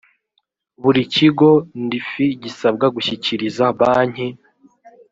buri kigo ndfi gisabwa gushyikiriza banki